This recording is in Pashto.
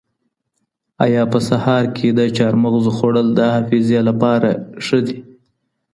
ایا په سهار کي د چارمغزو خوړل د حافظې لپاره ښه دي؟